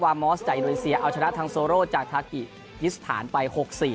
วามอสจากอินโดนีเซียเอาชนะทางจากไปหกสี่